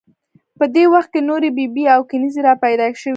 په دې وخت کې نورې بي بي او کنیزې را پیدا شوې.